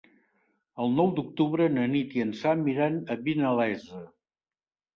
El nou d'octubre na Nit i en Sam iran a Vinalesa.